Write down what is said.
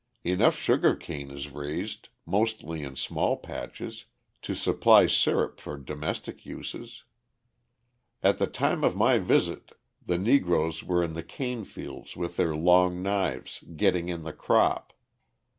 Enough sugar cane is raised, mostly in small patches, to supply syrup for domestic uses. At the time of my visit the Negroes were in the cane fields with their long knives, getting in the crop.